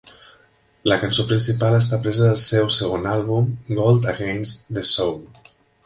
La cançó principal està presa del seu segon àlbum "Gold Against the Soul".